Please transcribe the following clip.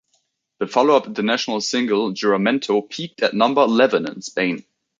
The follow-up international single, "Juramento" peaked at number eleven in Spain.